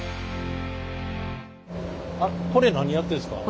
これ何やってるんですか？